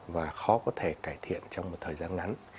và khó có thể cải thiện trong một thời gian ngắn